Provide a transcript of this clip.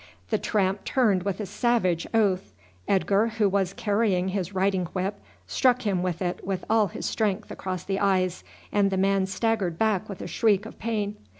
The tramp turned with a savage oath. Edgar, who was carrying his riding whip, struck him with it with all his strength across the eyes, and the man staggered back with a shriek of pain.